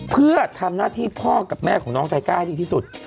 เพื่อทำหน้าที่พ่อกับแม่ของน้องไทก้าให้ดีที่สุด